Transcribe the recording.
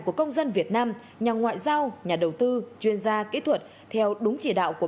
của công dân việt nam nhà ngoại giao nhà đầu tư chuyên gia kỹ thuật theo đúng chỉ đạo của